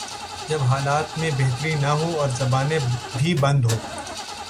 جب حالات میں بہتری نہ ہو اور زبانیں بھی بند ہوں۔